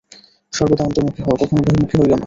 সর্বদা অন্তর্মুখী হও, কখনও বহির্মুখী হইও না।